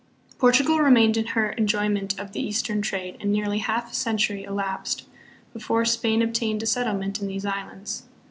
Portugal remained in her enjoyment of the Eastern trade and nearly half a century elapsed before Spain obtained a settlement in these islands.